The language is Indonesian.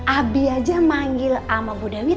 abi aja manggil sama bu dewi